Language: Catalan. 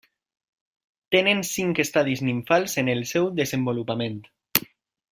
Tenen cinc estadis nimfals en el seu desenvolupament.